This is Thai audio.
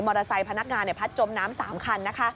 มอเตอร์ไซค์พนักงานพัดจมน้ำ๓คัน